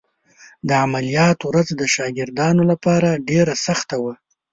د عملیات ورځ د شاګردانو لپاره ډېره سخته وه.